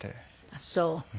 あっそう。